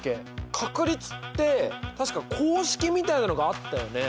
確率って確か公式みたいなのがあったよね？